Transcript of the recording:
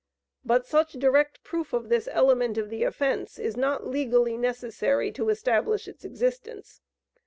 But such direct proof of this element of the offence is not legally necessary to establish its existence.